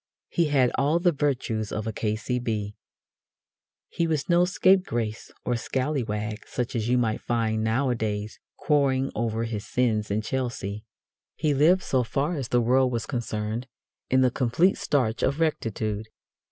He had all the virtues of a K.C.B. He was no scapegrace or scallywag such as you might find nowadays crowing over his sins in Chelsea. He lived, so far as the world was concerned, in the complete starch of rectitude.